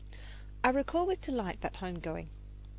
I recall with delight that home going.